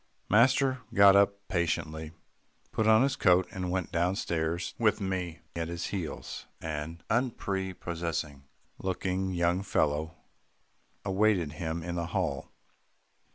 Master got up patiently, put on his coat, and went down stairs with me at his heels. An unprepossessing looking young fellow awaited him in the hall.